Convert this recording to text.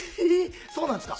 そうなんですか？